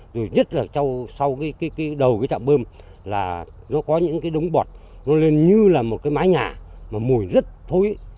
rồi nhất là trong sau cái đầu cái trạm bơm là nó có những cái đống bọt nó lên như là một cái mái nhà mà mùi rất thối